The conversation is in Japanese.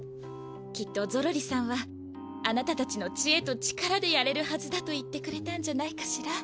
きっとゾロリさんはあなたたちのちえと力でやれるはずだと言ってくれたんじゃないかしら？